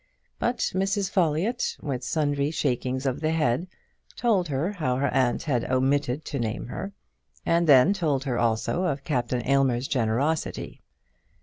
But Mrs. Folliott, with sundry shakings of the head, told her how her aunt had omitted to name her and then told her also of Captain Aylmer's generosity.